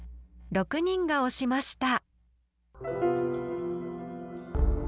６人が推しました。